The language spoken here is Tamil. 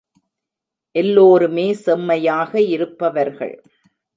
எல்லோருமே செம்மையாக இருப்பவர்கள்.